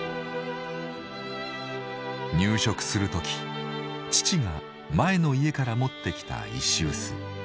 入植する時父が前の家から持ってきた石臼。